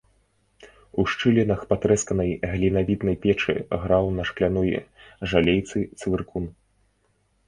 У шчылінах патрэсканай глінабітнай печы граў на шкляной жалейцы цвыркун.